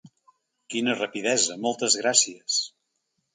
Quina rapidesa, moltes gràcies.